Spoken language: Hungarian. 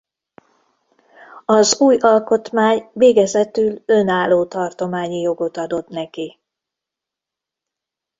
Az új alkotmány végezetül önálló tartományi jogot adott neki.